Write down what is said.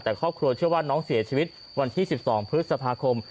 แต่ครอบครัวเชื่อว่าน้องเสียชีวิตวันที่๑๒พฤษภาคม